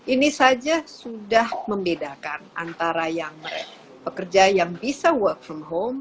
ini saja sudah membedakan antara yang pekerja yang bisa work from home